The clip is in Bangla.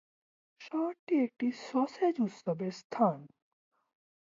শহরটি একটি সসেজ উৎসবের স্থান।